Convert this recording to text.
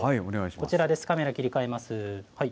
こちらです、カメラ切り替えます。